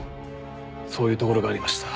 そういうところがありました。